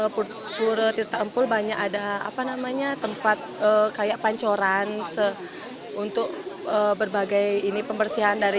pura tirta empul banyak ada apa namanya tempat kayak pancoran se untuk berbagai ini pembersihan dari